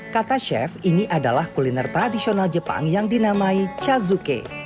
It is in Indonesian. kata chef ini adalah kuliner tradisional jepang yang dinamai chazuke